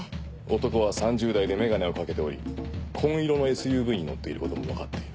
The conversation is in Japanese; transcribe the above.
男は３０代で眼鏡を掛けており紺色のＳＵＶに乗っていることも分かっている。